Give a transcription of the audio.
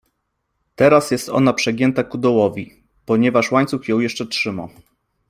Teraz jest ona przegięta ku dołowi, ponieważ łańcuch ją jeszcze trzyma.